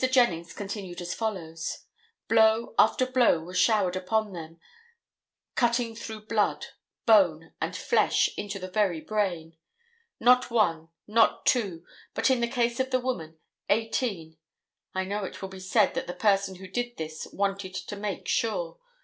Jennings continued as follows: "Blow after blow was showered upon them, cutting through blood, bone and flesh into the very brain. Not one, not two, but in the case of the woman, eighteen. I know it will be said that the person who did this wanted to make sure.